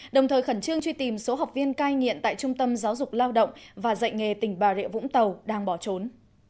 đồng thời khẩn trương truy tìm số học viên cai nghiện tại trung tâm giáo dục lao động và dạy nghề tỉnh bà rịa vũng tàu đang bỏ trốn